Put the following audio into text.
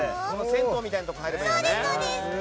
銭湯みたいなところに入ればいいんですね。